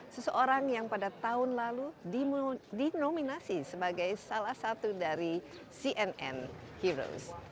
seseorang yang pada tahun lalu dinominasi sebagai salah satu dari cnn heroes